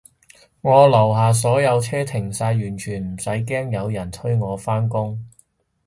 我樓下所有車停晒，完全唔使驚有人催我返工